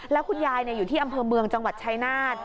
แล้วคุณยายอยู่ที่อำเภอเมืองจังหวัดชายนาฏ